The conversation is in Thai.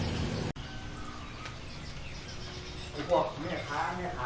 สวัสดีครับทุกคน